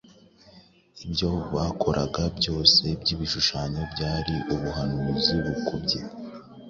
Ibyo bakoraga byose by’ibishushanyo byari ubuhanuzi bukubye